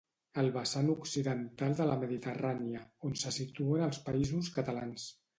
El vessant occidental de la Mediterrània, on se situen els Països Catalans